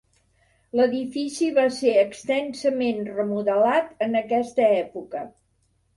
L'edifici va ser extensament remodelat en aquesta època.